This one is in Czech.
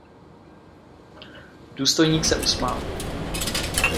Důstojník se usmál.